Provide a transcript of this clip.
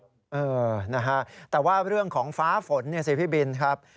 เออนะฮะแต่ว่าเรื่องของฟ้าฝนเนี่ยสิพี่บินครับ